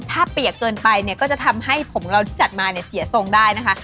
ถ้าเปียกเกินไปเนี่ยก็จะทำให้ผมเราที่จัดมาเนี่ยเสียทรงได้นะคะ